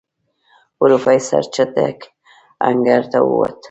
پروفيسر چټک انګړ ته ووت.